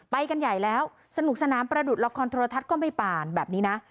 ไปกันใหญ่แล้วสนุกสนามประดุษละครโทรทัศน์ก็ไม่ป่านแบบนี้นะ